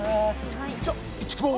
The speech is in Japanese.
じゃあ行ってきます。